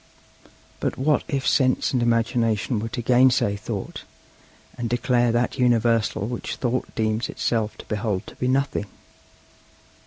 But what if Sense and Imagination were to gainsay Thought, and declare that universal which Thought deems itself to behold to be nothing?